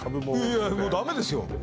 いやもうダメですよ